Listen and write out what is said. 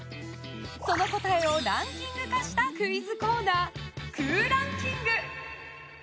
その答えをランキング化したクイズコーナー空欄キング。